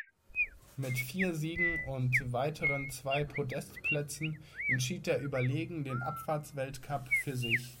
Mit vier Siegen und weiteren zwei Podestplätzen entschied er überlegen den Abfahrtsweltcup für sich.